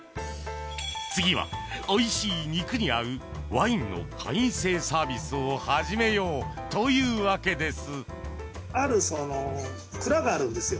次は、おいしい肉に合うワインの会員制サービスを始めようというわけです。